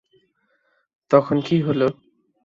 তখন কী হলো?